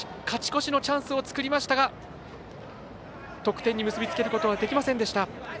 勝ち越しのチャンスを作りましたが得点に結びつけることはできませんでした。